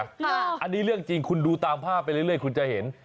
อันนี้เรื่องจริงคุณดูตามภาพไปเรื่อยคุณจะเห็น